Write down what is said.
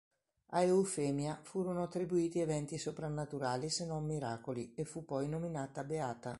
A Eufemia furono attribuiti eventi soprannaturali se non miracoli e fu poi nominata beata.